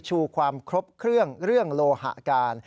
ชูความครบเครื่องเรื่องโลหะการ